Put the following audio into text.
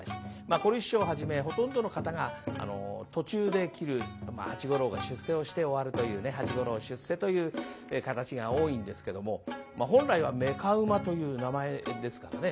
小柳枝師匠をはじめほとんどの方が途中で切る八五郎が出世をして終わるというね「八五郎出世」という形が多いんですけども本来は「妾馬」という名前ですからね